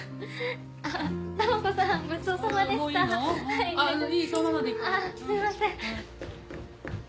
ああすいません。